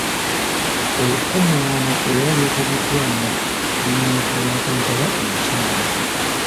Olukungaana era lwetabiddwamu ne Nankulu wa Kampala, Omukyala.